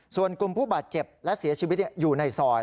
ส่วนกลุ่มผู้บาดเจ็บและเสียชีวิตอยู่ในซอย